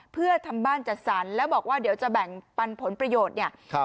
เพื่อทำบ้านจัดสรรแล้วบอกว่าเดี๋ยวจะแบ่งปันผลประโยชน์เนี่ย